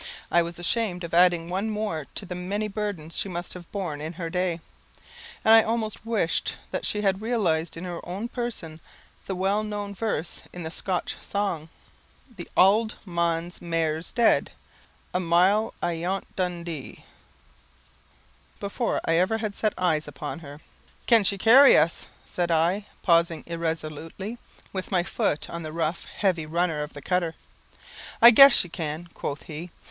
I was ashamed of adding one more to the many burdens she must have borne in her day, and I almost wished that she had realized in her own person the well known verse in the Scotch song "The auld man's mare's dead, A mile ayont Dundee," before I ever had set my eyes upon her. "Can she carry us?" said I, pausing irresolutely, with my foot on the rough heavy runner of the cutter. "I guess she can," quoth he.